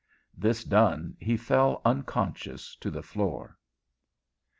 This done, he fell unconscious to the floor.